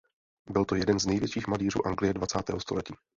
Byl to jeden z největších malířů Anglie dvacátého století.